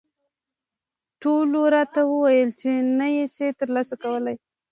ټولو راته وویل چې نه یې شې ترلاسه کولای.